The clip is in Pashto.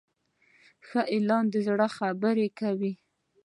ښه اعلان د زړه خبرې کوي.